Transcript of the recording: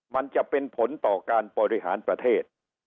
มันจะเป็นผลต่อการบริหารประเทศ